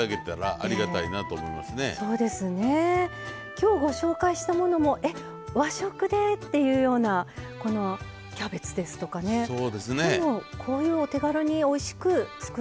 今日ご紹介したものもえっ和食で？っていうようなこのキャベツですとかねこういうお手軽においしく作れると。